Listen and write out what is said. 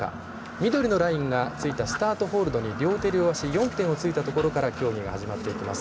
緑のラインがついたスタートホールドに両手両足４点をついたところから競技が始まっていきます。